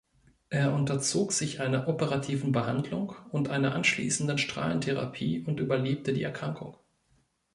Er unterzog sich einer operativen Behandlung und einer anschließenden Strahlentherapie und überlebte die Erkrankung.